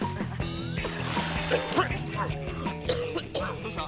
どうした？